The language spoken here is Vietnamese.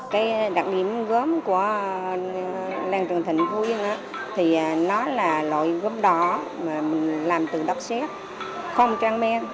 cái đặc điểm gốm của làng trường thịnh phú yên thì nó là loại gốm đỏ mà làm từ đọc xét không trang men